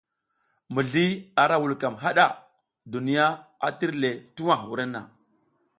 Mizli ara vulkam hada, duniya a tir le tuwa wurenna.